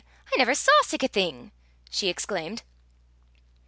I never saw sic a thing!" she exclaimed.